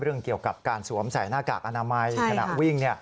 เกี่ยวกับการสวมใส่หน้ากากอนามัยขณะวิ่ง